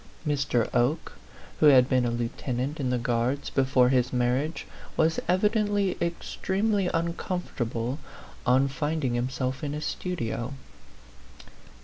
Mr. Oke, who had been a lieu tenant in the Guards before his marriage, was evidently extremely uncomfortable on find 8 A PHANTOM LOVER. ing himself in a studio.